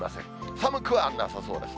寒くはなさそうです。